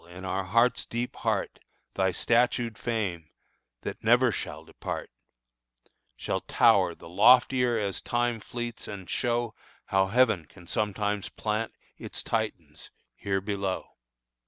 In our heart's deep heart Thy statued fame, that never shall depart, Shall tower, the loftier as Time fleets, and show How Heaven can sometimes plant its Titans here below."